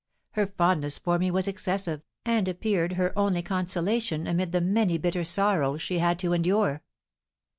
Her fondness for me was excessive, and appeared her only consolation amid the many bitter sorrows she had to endure.